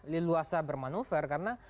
leluasa bermanuver karena